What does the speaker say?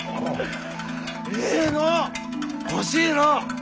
ええのう欲しいのう！